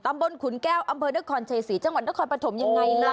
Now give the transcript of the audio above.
ตำบลขุนแก้วอำเภอเนื้อคอนใจศรีจังหวัดเนื้อคอนประถมยังไงล่ะ